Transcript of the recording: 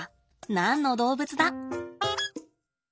何の動物だ？